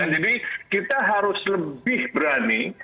jadi kita harus lebih berani